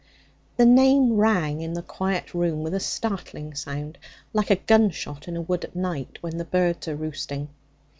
The name rang in the quiet room with a startling sound, like a gunshot in a wood at night when the birds are roosting.